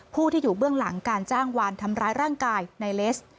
ผู้ที่อยู่เบื้องหลังการจ้างวานทำร้ายร่างกายในเลส